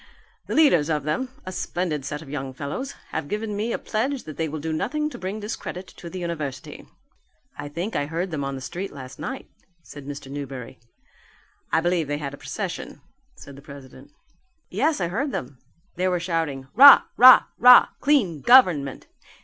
The leaders of them a splendid set of young fellows have given me a pledge that they will do nothing to bring discredit on the university." "I think I heard them on the street last night," said Mr. Newberry. "I believe they had a procession," said the president. "Yes, I heard them; they were shouting 'Rah! rah! rah! Clean Government!